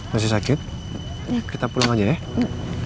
masih sakit kita pulang aja deh